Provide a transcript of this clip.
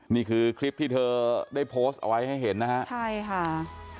นี่คือคลิปที่เธอได้โพสต์เอาไว้ให้เห็นนะฮะใช่ค่ะ